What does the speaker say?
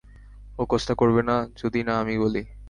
ও কাজটা করবে না যদি না আমি বলি।